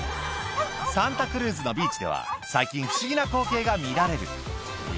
サンタクルーズのビーチでは最近不思議な光景が見られるおや？